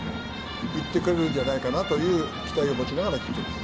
行ってくれるんじゃないかなという期待を持ちながらヒットです。